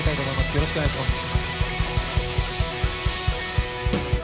よろしくお願いします。